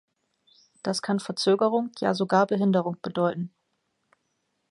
Das kann Verzögerung, ja sogar Behinderung bedeuten.